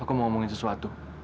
aku mau ngomongin sesuatu